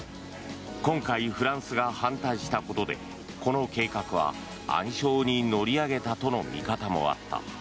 今回フランスが反対したことでこの計画は暗礁に乗り上げたとの見方もあった。